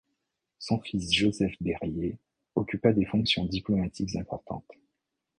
Son fils Joseph Berryer, occupa des fonctions diplomatiques importantes.